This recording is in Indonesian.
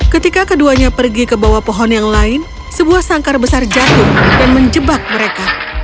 ketika keduanya pergi ke bawah pohon yang lain sebuah sangkar besar jatuh dan menjebak mereka